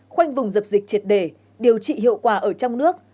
khoanh vùng dập dịch triệt đề điều trị hiệu quả ở trong nước